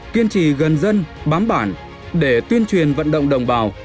kiên trì gần dân bám bản để tuyên truyền vận động đồng bào